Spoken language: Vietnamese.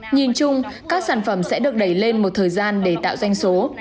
nhìn chung các sản phẩm sẽ được đẩy lên một thời gian để tạo doanh số